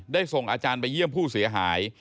ส่งอาจารย์ไปเยี่ยมผู้เสียหาย